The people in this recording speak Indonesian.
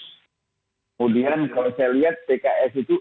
kemudian kalau saya lihat pks itu